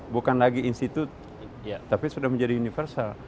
bukan lagi institut tapi sudah menjadi universal